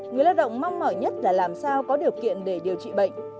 người lao động mong mỏi nhất là làm sao có điều kiện để điều trị bệnh